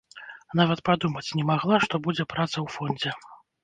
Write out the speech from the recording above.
Нават падумаць не магла, што будзе праца ў фондзе.